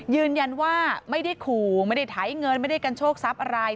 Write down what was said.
ยืนยันว่าไม่ได้ขู่ไม่ได้ไถเงินไม่ได้กันโชคทรัพย์อะไร